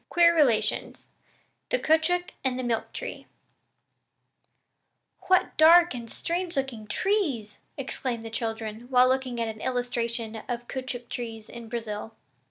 QUEER RELATIONS: THE CAOUTCHOUC AND THE MILK TREE. "What dark, strange looking trees!" exclaimed the children while looking at an illustration of caoutchouc trees in Brazil.